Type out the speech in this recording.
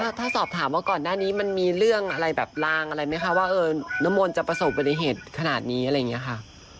ถ้าสอบถามว่าก่อนหน้านี้มันมีเรื่องอะไรแบบลางอะไรไหมคะว่าน้ำมนต์จะประสบปฏิเหตุขนาดนี้อะไรอย่างนี้ค่ะ